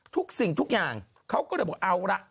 ทุกสิ่งทุกอย่างเขาก็เลยบอกเอาละ